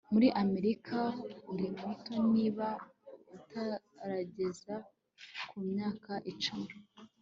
muri amerika, uri muto niba utarageza ku myaka icumi